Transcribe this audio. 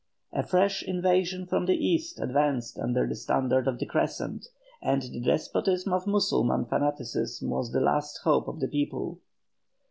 A fresh invasion from the East advanced under the standard of the Crescent, and the despotism of Mussulman fanaticism was the last hope of the people.